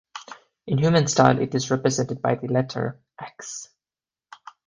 In human style it is represented by the letter "X".